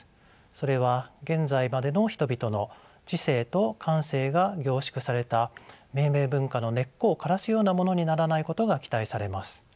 それは現在までの人々の知性と感性が凝縮された命名文化の根っこを枯らすようなものにならないことが期待されます。